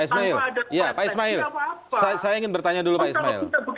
kita bicara di indonesia pak ismail